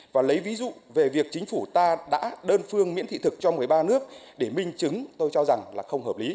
và lấy ví dụ về việc chính phủ ta đã đơn phương miễn thị thực cho một mươi ba nước để minh chứng tôi cho rằng là không hợp lý